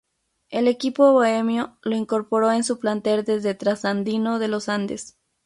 El equipo "bohemio" lo incorporó en su plantel desde Trasandino de Los Andes.